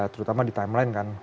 terutama di timeline kan